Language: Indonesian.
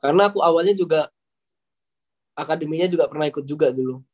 karena aku awalnya juga akademinya juga pernah ikut juga dulu